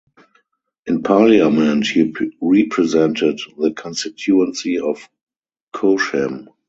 In Parliament he represented the constituency of Cochem.